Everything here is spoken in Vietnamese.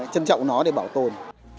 chân trọng nó để bảo tồn